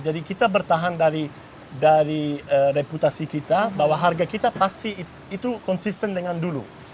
jadi kita bertahan dari reputasi kita bahwa harga kita pasti itu konsisten dengan dulu